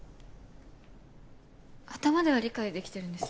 頭では理解できてるんですけど。